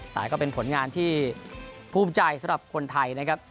แต่ก็เป็นผลงานที่ภูมิใจสำหรับคนไทยนะครับ